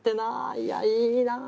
いやいいなぁ。